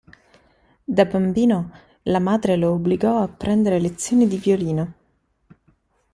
Da bambino, la madre lo obbligò a prendere lezioni di violino.